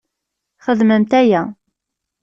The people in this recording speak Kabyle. Xedmemt aya!